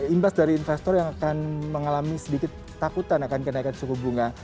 imbas dari investor yang akan mengalami sedikit takutan akan kenaikan suku bunga